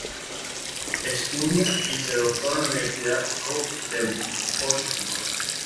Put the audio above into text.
Estudia y se doctora en la Universidad Ruhr de Bochum.